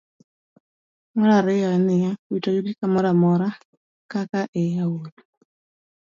Mar ariyo en ni, wito yugi kamoro amora, kaka e aore.